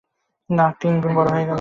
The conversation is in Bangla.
নাক তিনগুণ বড় হলো।